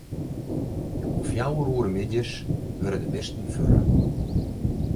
Om fjouwer oere middeis wurde de bisten fuorre.